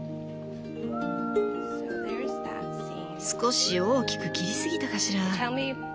少し大きく切り過ぎたかしら。